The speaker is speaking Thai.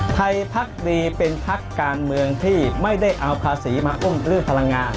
พักดีเป็นพักการเมืองที่ไม่ได้เอาภาษีมาอุ้มเรื่องพลังงาน